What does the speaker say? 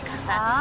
あ